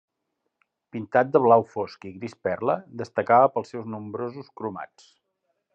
Pintat de blau fosc i gris perla, destacava pels seus nombrosos cromats.